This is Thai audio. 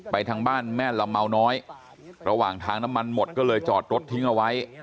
ทางบ้านแม่ละเมาน้อยระหว่างทางน้ำมันหมดก็เลยจอดรถทิ้งเอาไว้